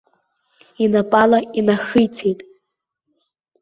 Инапала инахицеит.